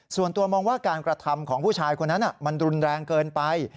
ส่วนตัวมองว่าการกระทำของผู้ชายคนนั้นมันรุนแรงเกินไป